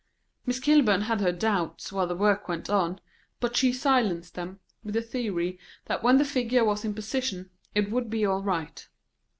Miss Kilburn had her doubts while the work went on, but she silenced them with the theory that when the figure was in position it would be all right.